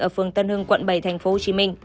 ở phường tân hưng quận bảy tp hcm